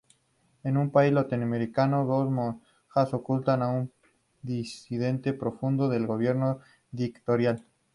En un país latinoamericano, dos monjas ocultan a un disidente prófugo del gobierno dictatorial.